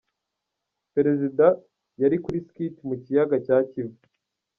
Perezida ya kuri Skit mu kiyaga cya Kivu.